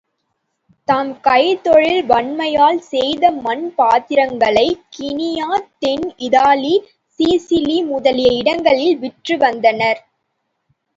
தம் கைத்தொழில் வன்மையால் செய்த மண் பாத்திரங்களைக் கினியா, தென் இதாலி, சிசிலி முதலிய இடங்களில் விற்று வந்தனர்.